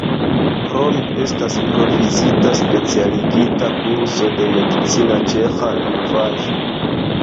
Krome estas provizita specialigita kurso de medicina ĉeĥa lingvaĵo.